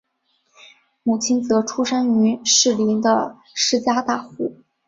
母亲则出身于士林的施家大户。